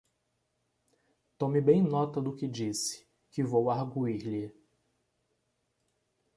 Tome bem nota do que disse, que vou argüir-lhe.